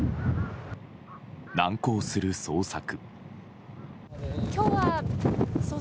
難航する捜索。